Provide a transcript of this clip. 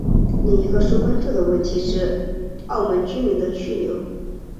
另一个受关注的问题是澳门居民的去留。